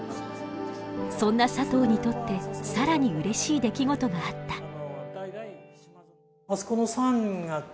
そんな佐藤にとって更にうれしい出来事があった。